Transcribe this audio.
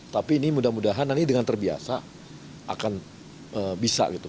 tapi ini mudah mudahan nanti dengan terbiasa akan bisa gitu